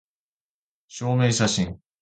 証明写真